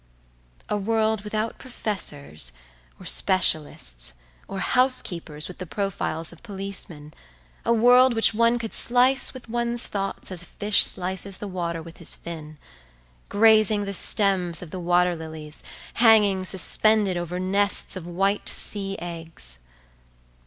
A world without professors or specialists or house keepers with the profiles of policemen, a world which one could slice with one's thought as a fish slices the water with his fin, grazing the stems of the water lilies, hanging suspended over nests of white sea eggs.